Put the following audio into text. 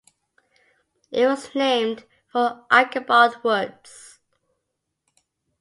It was named for Archibald Woods.